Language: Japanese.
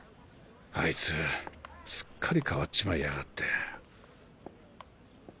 あいつすっかり変わっちまいやがって。